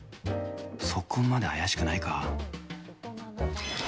そこまで怪しくないか。